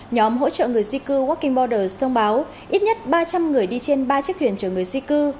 nhóm hỗ trợ người di cư waking borders thông báo ít nhất ba trăm linh người đi trên ba chiếc thuyền chở người di cư